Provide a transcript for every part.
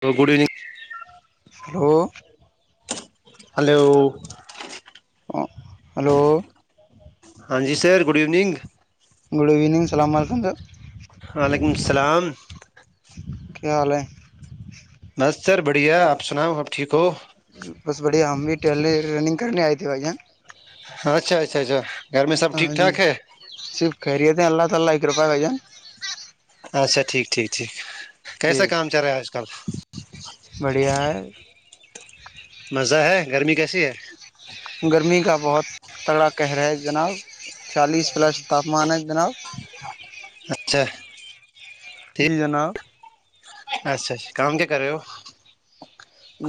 تو good evening hello hello ہ hello ہاں جی sir good evening good evening السلام علیکم سر وعلیکم السلام کیا حال ہے بت سر بڑھیا آپ سناؤ آپ ٹھیک ہو بس بڑھیا ہم بھی ٹہلنے رنگ کرنے آئے تھے بھائی جان اچھا اچھا اچھا گھر میں سب ٹھیک ہاں جی ٹھاک ہے صرف خیریت ہیں اللہ تعالی کی کرپا بھ جان اچھا ٹھیک ٹھیک ٹھیک کیسا ٹھیک کام چل رہا ہے آج کل بڑھیا ہے مزہ ہے گرمی کیسی ہے گرمی کا بہت تڑا قہرا ہے جناب چالیس پلس تاپمان ہے جناب چھ جی جناب اچھا اچھا کام کیا کر رہے ہو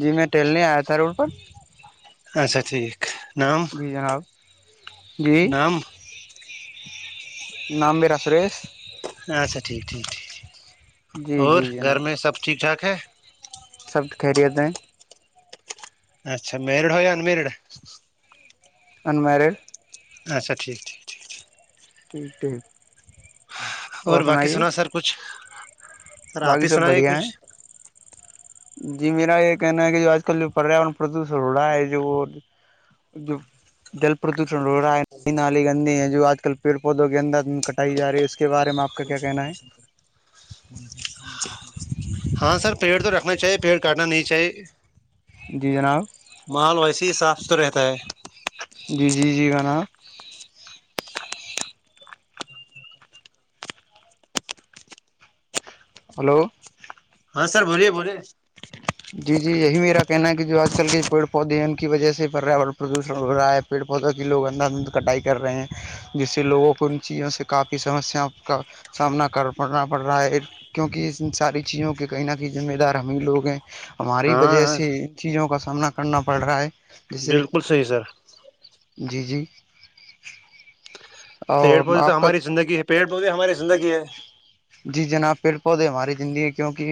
جی میں ٹیلنے آیا تھا روڈ پر اچھا ٹھیک نام جی جناب نام نمبیرا سرس اچھا ٹھیک ٹھیک ٹھیکھ جی جی اور گھر جناب میں سب ٹھیک ٹھاک ہے سب خیریتیں اچھا میرڈ ہو یا انمیرڈ انمیرڈ اچا ٹھیک ٹھیک ٹھیک [unintelligible] اور باقی سنائیے سنا سر کچھ سر آپ باقی ہی سب سنا یہ بڑھیا ہیں کچھ جی میرا یہ کہنا ہے کہ جو آج کل جو پریاورن پردوشن ہو رہا ہے جو وہ جوب جل پردوشن ہو رہا ہے نئی نالی گندی ہے جو آج کل پیڑ پودوں کے اندر کٹائی جا رہی ہے اس کے بارے میں آپ کیا کہ ن ہے اہ جیسے کہ ہاں سر پیڑ تو رکھنا چاہیے پیڑ کاٹنا نہیں چاہیے جی جناب ماحول ویسے ہی صاف ستھرا رہتا ہے جی جی جی گانا ہلو ہاں سر بولیے بولیے جی جی یہی میرا کہنا ہے کہ جو آج کل کے پیڑ پودے کی وجہ سے بڑ رہا ہے پردوشن ہو رہا ہے پیڑ پودوں کی لوگ اندر ان کٹائی کر رہے ہیں جس سے لوگوں کو ان چیزوں سے کافی سمسیا کا سامنا کر پڑنا پڑ رہا ہے کیونکہ ان ساری چیزوں کے کہیں نہ کہیں ذمہ دار ہمیں لوگ ہیں ہماری ہاں وجہ ہاں سے ان چیزوں کا سامنا کرنا پڑ رہا ہے جیسے بالکل صحیح سر جی جی پیڑ اور پودے تو آپ کا ہماری زندگی ہے پیڑ پودے ہماری زندگی ہے جی جناب پیڑ پودے ہماری زندگی کیوںکہ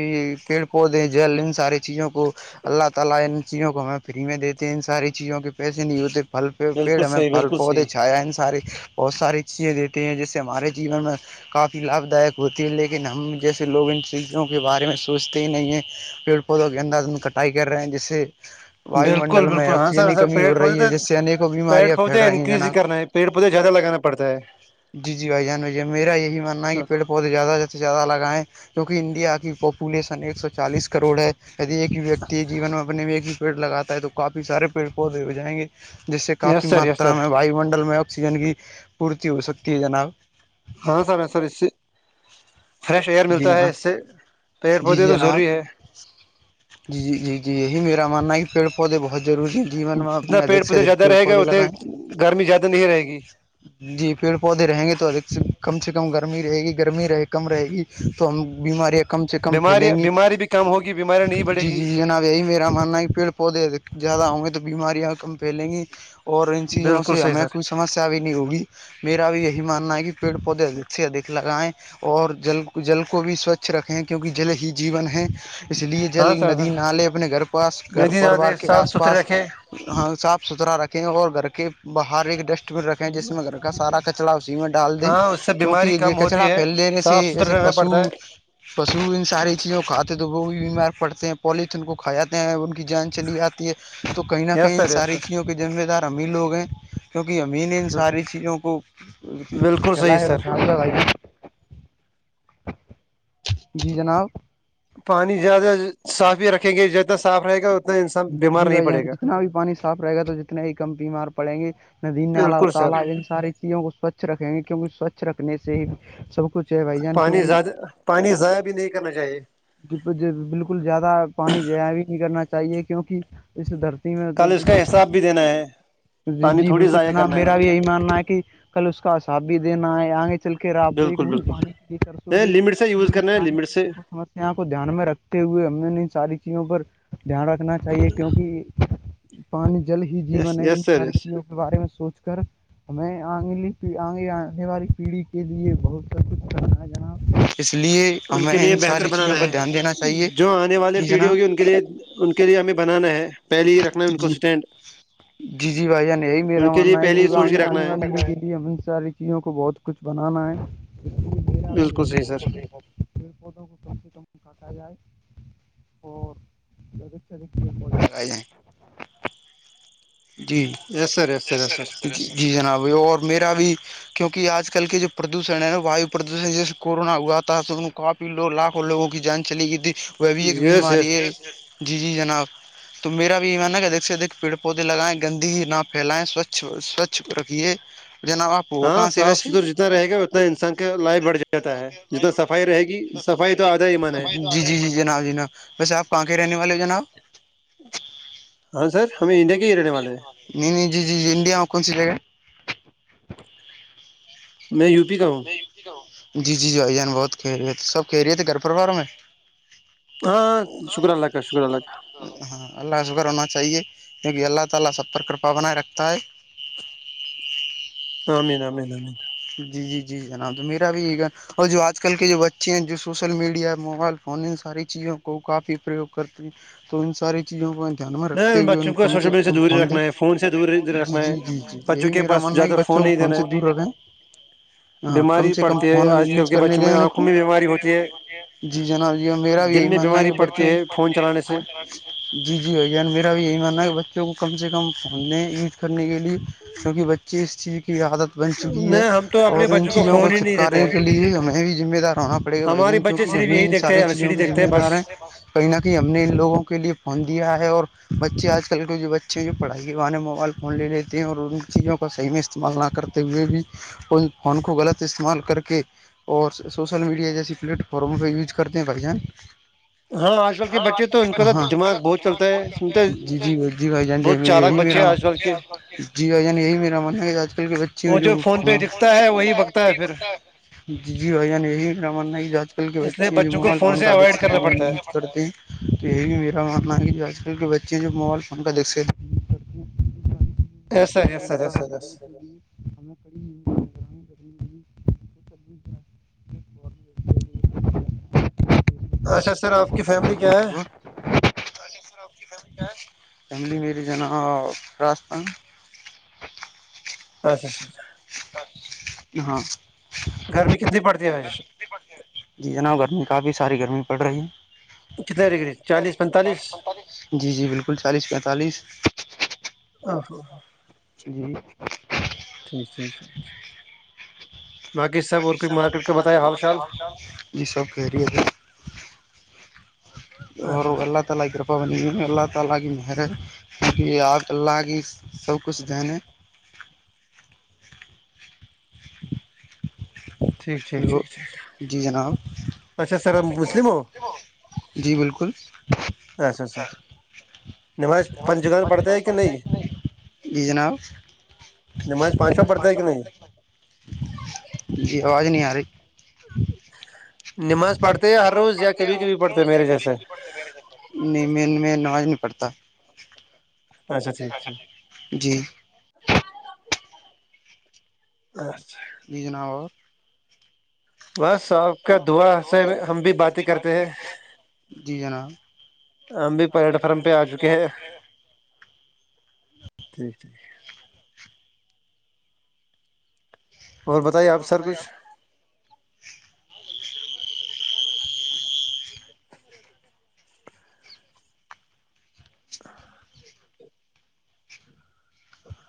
پیڑ پودے جل ان ساری چیزوں کو اللہ تعالی ان چیزوں کو میں فری میں دیتے ہیں ان ساری چیزوں کے پیسے نہیں ہوتے پھل پ بالکل پیڑ میں صحیح پھل بالکل پودے صحیح چھایا ان سارے بہت ساری چیزیں دیتے ہیں جس سے ہمارے جیون میں کافی لابھ دائک ہوتی ہے لیکن ہم جیسے لوگ ان چیزوں کے بارے میں سوچتے ہی نہیں ہیں پیڑ پودوں کے انداز میں کٹائی کر رہے ہیں جیسے واو بالکل منڈل میں بالکل ہاں سر آکسیجن ہاں کی سر کمی پیڑ ہو پودے رہی تو ہے جس سے انیکوں پیڑ بیماریاں پھیل پودے رہی ہیں انکریز ہی جناب کرنا ہے پیڑ پودے زیادہ لگانا پڑتا ہے جی جی بھائی جان بھائی ج میرا یہی ماننا ہے کہ پہل زیادہ ج سے زیادہ لگاائیں جو کہ انڈیا کی پوپ پے سن ایک سو چالیس کروڑ ہے ایک وکتی جیون میں اپنے پیڑ لگاتا ہے تو کافی سارے پیڑ پودے ہو جائیں گے جیس سے کافی یس سر یس ماترا سر میں واو منڈل میں آکسیجن کی پورتی اور ستی جنااؤ ہاں اس سے فریش ایئر جی ملتا ہے جناب اس سے پیڑ جی پودے جی تو جناب ضروری ہے جی جی جی جی یہی میرا ماننا ہے کہ پیڑ پودے بہت ضروری ہے جیون میں اپنے جتنا پیڑ ادھک سے پودے ادھک زیادہ پیڑ رہے گا پودے اتنے لگائے گرمی زیادہ نہیں رہے گی جی پیڑ پودے رہیں گے تو ادھک سے کم سے کم گرمی رہے گی گرمی رہے کم رہے گی تو ہم بیماریاں کم سے کم بیماری پھیلیں گی بیماری بھی کم ہوگی بیماریاں نہیں بڑھے جی گی جی جی جناب یہی میرے ماننا ہے پیڑ پودے زیادہ ہوں گے تو بیماریاں کم پھیلیں گی اور ان چیزوں بالکل سے صحیح ہمیں سر کوئی سمسیا بھی نہیں ہوگی میرا بھی یہی ماننا ہے کہ پیڑ پودے ادھک سے ادھک لگائیں اور جل جل کو بھی سوچھ رکھے کیونکہ جل ہی جیون ہے اس لیے جل ہاں سر ندی سر نالے اپنے گھر پاس گھر ندی پروار زیادہ کے صاف آس پاس ستھرے رکھے ہاں صاف ستھرا رکھیں اور گھر کے باہر ایک ڈسٹ رکھیں جس میں گھر کا سارا کچرا اسی میں ڈال دیں ہاں اس سے کیوںکہ بیماری یہ کم کچڑا ہوتی ہے پھیل دینے سے صاف جیسے ستھرا رہنا پڑتا پشوت ہے پشو ان ساری چیزوں کو کھاتے ہیں تو وہ بھی بیمار پڑتے ہیں پولیتن کو کھا جاتے ہیں ان کی جان چلی جاتی ہے تو کہیں نہ یس کہیں ان سر یس ساری سر چیزوں کے ذمہ دار ہم ہی لوگ ہیں کیونکہ ہم ہی نے ان ساری چیزوں کو بالکل صحیح پھیلایے سر رکھا جی جناب پانی زیادہ صاف ہی رکھیں گے جتنا صاف رہے گا اتنا انسان بیمار نہیں پڑے گا ہاں بھایی پانی صاف رہے گا تو جتنے ہی کم بیمار پڑیں گے ندی نالا بالکل سر تالاب ان ساری ندیوں کو سوچھ رکھیں گے کیونکہ سوچھ رکھنے سے ہی سب کچھ ہے بھائی جان پانی کیونکہ زیادہ پانی ضائع بھی نہیں کرنا چاہیے بالکل زیادہ پانی زایا بھی نہیں کرنا چاہیے کیونکہ اس دھرتی میں کل اس کا حساب بھی دینا ہے جی پانی جی تھوڑی بالکل ضائع جناب کرنا ہے میرا بھی یہی ماننا ہے کہ کل اس کا حساب بھی دینا ہے آگے [inaudible] بالکل بالکل نہیں لمٹ سے یوز کرنا ہے لمٹ سے [unintelligible] ہم اپنے آپ کو دھیان میں رکھتے ہوئے ہم نے ان ساری چیزوں پر دھیان رکھنا چاہیے کیونکہ پانی جل ہی یس جیون ہے ان یس سر ساری یس چیزوں کے بارے میں سوچ کر ہمیں آگے آنے والی پیڑھی کے لیے بہت سب کچھ کرنا ہے جناب اس لیے ان کے ہمیں لیے بہتر ساری چیزوں بنانا پر ہے دھیان دینا چاہیے جو آنے والی جی پیڑھی جناب ہوگی ان کے لیے ان کے لیے ہمیں بنانا ہے پہلے ہی رکھنا ہے ان کو جی اسٹینڈ جی جی بھائی جان یہی ان میرا کے لیے ماننا ہے پہلے ہی کہ سوچ کے آنے رکھنا ہے والی پیری کے لیے چیوں کو بہت کچھ بنانا ہے میرا بھی بالکل یہی صحیح سر [inaudible] [unintelligible] جی یس سر [unintelligible] جی جناب اور میرا بھی کیونکہ آج کل کے جو پردوشن ہے نا وایو پردوشن جیس کورونا ہوا تھا تو کافی لوگ لاکھوں لووں کی جان چلی گئی تھی وہ بھی ایک یس بیماری یس ہے جی جی جناب تو میرا بھی یہمان ہے کہ دیکھ سے دیکھ پیڑ پودے لگائیں گندی نہ پھیلیں سوچھ سوچھ رکھیے جناب آپ ہو ہاں کہاں سے صاف ویسے ستھرا جتنا رہے گا اتنا انسان کا لائف بڑھ جاتا ہے جتنا صفائی رہے گی صفائی تو آدھا ایمان ہے جی جی جی جناب جناب ویسے آپ کہاں کے رہنے والے ہے جناب ہاں سر ہمیں انڈیا کے ہی رہنے والے ہیں نہیں نہیں جی جی جی انڈیا میں کون سی جگہ میں یو [unintelligible] جی جی بھائی جان بہت خیریت ہے سب خیریت ہے گھر پرواروں میں ہاں شکر اللہ کا شکر اللہ کا ہاں اللہ کا شکر ہونا چاہیے کیونکہ اللہ تعالی سب پر کرپا بنائے رکھتا ہے آمین آمین آمین جی جی جی جناب میرا بھی یہ گ اور جو آج کل کے جو بچے ہیں جو سوشل میڈیا موبائل فون ان ساری چیزوں کو کافی پرریوگ کرتے ہیں تو ان ساری چیزوں کو دھیان میں نہیں رکھتے ہوئے ان بچوں کو کم سوشل سے میڈیا کم دور ہی پنڈ رکھنا ہے فون سے دور ہی جی رکھنا جی ہے جی جی بچوں یہی کے میرا پاس ماننا ہے کہ زیادہ فون بچوں نہیں کوون دینا سے ہے دور ہو جائے ہاں کم بیماری سے کم پڑتی ہے فون آج کل یوز کے کرنے بچوں دیں میں ان آنکھوں کو میں بیماری ہوتی ہے جی جناب جی میرا بھی دل یہی میں ماننا بیماری ہے پڑتی بچے فون چلانے سے جی جی ان میرا بھی یہی ماننا ہے کہ بچوں کو کم سے کم فوننے یوج کرنے کے لیے کیونک بچے اس چیز کی عادت بن چکی ہے نہیں ہم تو اور اپنے ان بچوں چیزوں کو فون ہی نہیں دیتے چھتکارے ہیں کے لیے ہمیں بھی ذمہ دار ہونا پڑے گا بھائی ہمارے جان بچے کیونکہ صرف یہی زمین دیکھتے ہیں ساری ایل سی چیزوں ڈی کے دیکھتے ذمہ بس دار ہیں کہیں نہ کہیں ہم نے ان لوگوں کے لیے فون دیا ہے اور بچے آج کل کے جو بچے ہیں جو پڑھائی کے وہے موبائل فون لے لیتے ہیں اور ان چیزوں کا صحیح میں استعمال نہ کرتے ہوئے بھی ان فون کو غلط استعمال کر کے اور سوشل میڈیا جیسیے پلیٹفارم پہ یوج کرتے ہیں بھائی جان ہاں آج کل کے بچے تو ان کا تو ہاں دماغ بہت چلتا ہے سنتے جی جی جیائی ج بہت چالک بچے یہ ہیں آج م کل کے [unintelligible] جی گجان یہی میرا من ہے کہ آج کل کے بچے وہ جو فون پہ دکھتا ہے وہی بکتا ہے پھر جی بھائی جان یہی میرا مننا ہی جات کے اس لیے بچے بچوں م کو فون سے اوائڈ کرنا پڑتا کا ہے کرتے ہیں تو یہی میرا ماننا ہے کہ آج کل کے بچے جوب موبائل فون کا دیکھتے یس سر ی کرتے ہیں سریس سر یسر [unintelligible] کڑی کر کی کرنی اچھا سر آپ کی فیملی کیا ہے ہوا فیملی میرے جنااستستان [inaudible] اچچ ہاں گرمی کتنی پڑتی ہے وجش جی جناب گرمی کافی ساری گرمی پڑ رہی ہے کتنے ڈگری چالیس یس پینتالیس پینتالیس جی جی بالکل چالیس پینتالیس [unintelligible] جی ٹھیک ٹھیک ٹھیک ٹھیک باقی سب اور کچھ مارکیٹ کا بتیا حال شال یہ سب کررییے تھ اور اچھا اللہ تعالی پابندی میں اللہ تعالی کی مہر ہے کیونکہ پ اللہ کی سب کچھ دنےیں ٹھیک ٹھیک لو ٹھیک ٹھیک جی جناب اچھا سر مسلم ہو جی بالکل اچھا اچھا نماز پنچگان پڑتے ہے کہ نہیں جی جناب نہیںج پانچو پڑتا ہے کہ نہیں جی آواز نہیں آ رہی نماز پڑھتے ہر روز یا کبھی کبھی پڑھتے ہیں میرے جیسے نہیں میں نواز نہیں پڑتا اچھا ٹھیک ٹھیک جی اچھا ج جناب اور بس آپ کا دعا سے ہم بھی باتیں بات ہیں کرتے جی جناب ہم بھی پلیٹ فارم پہ آ چکے ہیں ٹھیک ٹھیک اور بتائیے آپ سر کچھ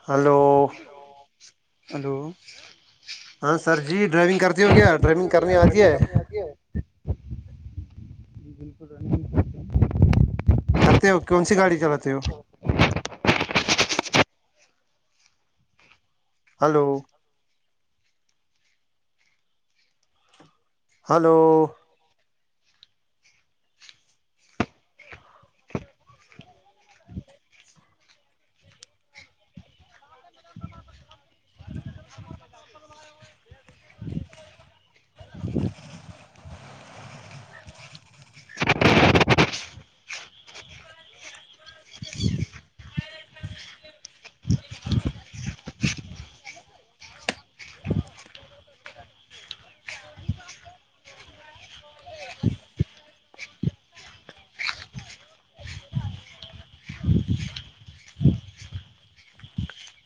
ہلو ہلو ہاں سر جی ڈرائیونگ کرتے ہو کیا ڈرائیونگ کرنی آتی ہے جی بالکل رننگ کرتے ہیں کرتے ہو کون سی گاڑی چلاتے ہو ہلو ہلو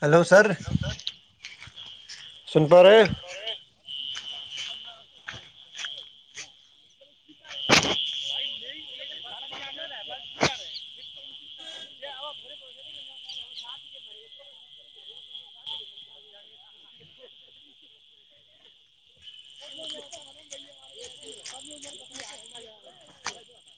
ہیلو سر سن پا رہے ہیں [inaudible]